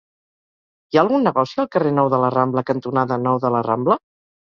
Hi ha algun negoci al carrer Nou de la Rambla cantonada Nou de la Rambla?